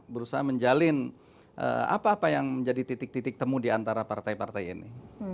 berusaha menjalin apa apa yang menjadi titik titik temu diantara partai partai ini